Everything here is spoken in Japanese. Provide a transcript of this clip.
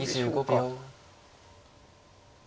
２５秒。